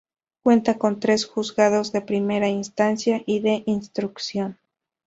Cuenta con tres juzgados de primera instancia y de instrucción.